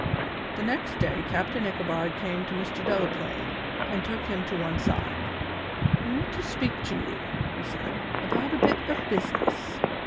The next day Captain Ichabod came to Mr. Delaplaine and took him to one side. "I want to speak to you," he said, "about a bit of business."